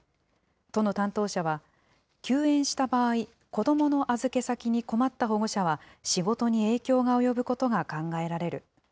都の担当者は、休園した場合、子どもの預け先に困った保護者は、仕事に影響が及ぶことが考えられる。